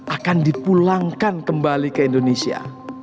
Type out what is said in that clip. akan dipulangkan kembali ke indonesia